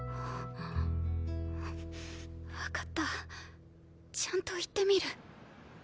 わかったちゃんと言ってみる。